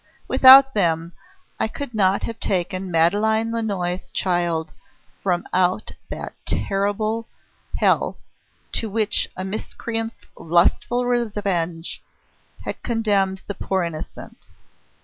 Without them, I could not have taken Madeleine Lannoy's child from out that terrible hell, to which a miscreant's lustful revenge had condemned the poor innocent.